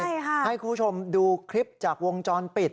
ใช่ค่ะให้คุณผู้ชมดูคลิปจากวงจรปิด